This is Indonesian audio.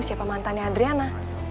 siapa mantannya adriana